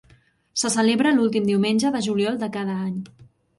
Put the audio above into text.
Se celebra l'últim diumenge de juliol de cada any.